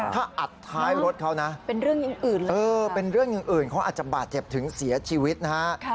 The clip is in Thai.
ถ้าอัดท้ายรถเขานะเป็นเรื่องอื่นเขาอาจจะบาดเจ็บถึงเสียชีวิตนะฮะ